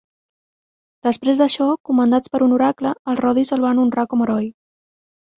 Després d'això, comandats per un oracle, els rodis el van honrar com a heroi.